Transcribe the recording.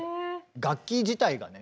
楽器自体がね